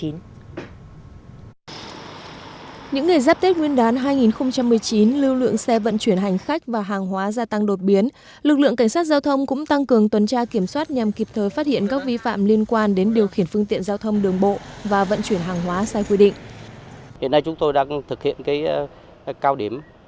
những ngày dắp tết nguyên đán hai nghìn một mươi chín lưu lượng xe vận chuyển hành khách và hàng hóa gia tăng đột biến